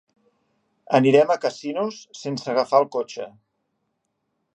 Anirem a Casinos sense agafar el cotxe.